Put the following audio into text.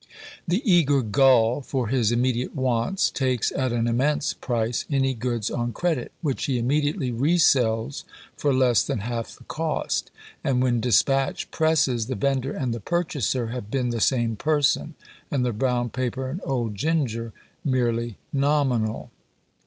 The eager "gull," for his immediate wants, takes at an immense price any goods on credit, which he immediately resells for less than half the cost; and when despatch presses, the vender and the purchaser have been the same person, and the "brown paper and old ginger" merely nominal.